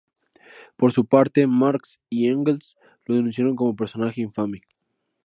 Por su parte, Marx y Engels lo denunciaron como personaje infame.